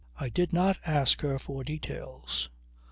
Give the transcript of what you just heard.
I did not ask her for details.